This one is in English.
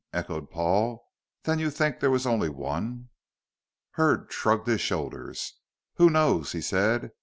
echoed Paul. "Then you think there was only one." Hurd shrugged his shoulders. "Who knows?" he said.